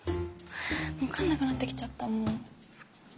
分かんなくなってきちゃったもう。